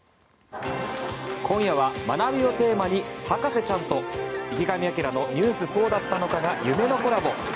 今夜は学びをテーマに「博士ちゃん」と「池上彰のニュースそうだったのか！！」の夢のコラボ！